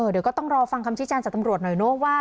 เดี๋ยวก็ต้องรอฟังคำชี้แจงจากตำรวจหน่อยเนอะว่า